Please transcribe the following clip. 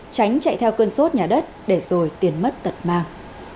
tránh chạy theo cơn sốt nhà đất để rồi tiền mất tật mang